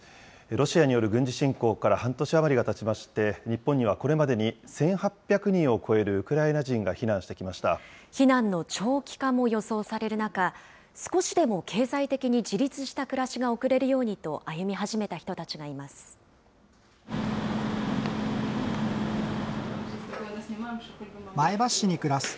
ロシアによる軍事侵攻から半年余りがたちまして、日本にはこれまでに１８００人を超えるウクライナ人が避難してき避難の長期化も予想される中、少しでも経済的に自立した暮らしが送れるようにと歩み始めた人たちがいます。